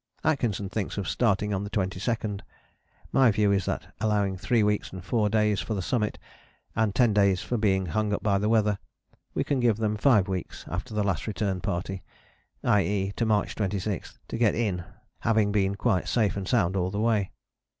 Atkinson thinks of starting on the 22nd: my view is that allowing three weeks and four days for the Summit, and ten days for being hung up by weather, we can give them five weeks after the Last Return Party (i.e. to March 26) to get in, having been quite safe and sound all the way.